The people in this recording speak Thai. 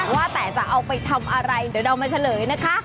ว่าแต่จะเอาไปทำอะไรเดี๋ยวเรามาเฉลยนะคะ